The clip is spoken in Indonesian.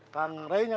kang rain ya